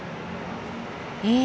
え